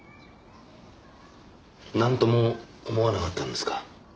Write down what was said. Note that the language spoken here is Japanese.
なんとも思わなかったんですか？